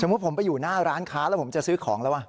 ผมไปอยู่หน้าร้านค้าแล้วผมจะซื้อของแล้ว